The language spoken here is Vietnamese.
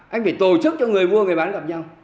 anh phải tổ chức cho người mua người bán gặp nhau